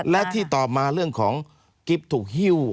และที่ตอบมาเรื่องของกิ๊บถูกฮิ้ว